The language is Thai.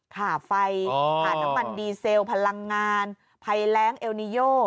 ค่าไฟขาดน้ำมันดีเซลพลังงานภัยแรงเอลนิโย